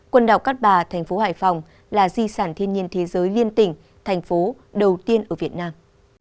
quần đảo cát bà thành phố hải phòng là di sản thiên nhiên thế giới liên tỉnh thành phố đầu tiên ở việt nam